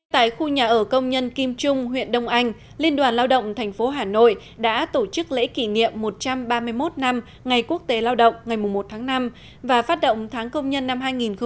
tại khu nhà ở công nhân kim trung huyện đông anh liên đoàn lao động tp hà nội đã tổ chức lễ kỷ niệm một trăm ba mươi một năm ngày quốc tế lao động ngày một tháng năm và phát động tháng công nhân năm hai nghìn hai mươi